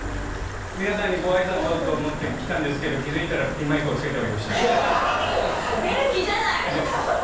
皆さんにごあいさつをと思って来たんですけど、気付いたら、出る気じゃない！